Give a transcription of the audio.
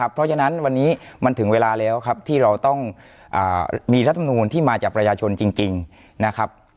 เพราะฉะนั้นวันนี้มันถึงเวลาแล้วครับที่เราต้องมีรัฐมนูลที่มาจากประชาชนจริงนะครับ